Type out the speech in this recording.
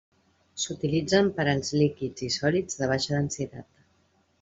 S'utilitzen per als líquids i sòlids de baixa densitat.